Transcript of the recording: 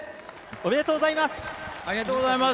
ありがとうございます。